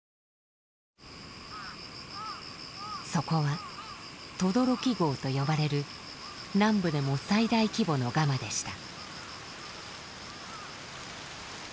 そこは轟壕と呼ばれる南部でも最大規模のガマでした。